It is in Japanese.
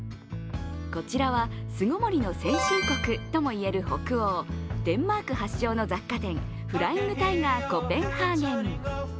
こちらは巣ごもりの先進国とも言える北欧、デンマーク発祥の雑貨店、フライングタイガー・コペンハーゲン。